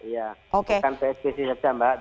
bukan psbb saja mbak